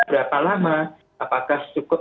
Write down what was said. berapa lama apakah cukup